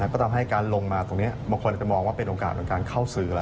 ก็ต้องให้การลงมาตรงนี้บางคนจะมองว่าเป็นโอกาสการเข้าซื้อ